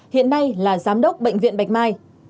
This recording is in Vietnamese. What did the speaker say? hiện nay là giám đốc bệnh viện bạch mai